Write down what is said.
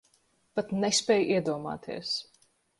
Pat nespēj iedomāties.